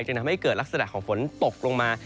จึงทำให้เกิดลักษณะของฝนตกลงมา